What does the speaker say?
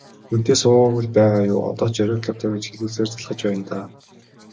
Хүнтэй суугаагүй л байгаа юу, одоо ч оройтлоо доо гэж хэлүүлсээр залхаж байна даа.